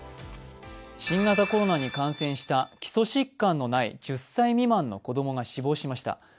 新型コロナに感染した基礎疾患のない１０歳未満の子供が死亡しました。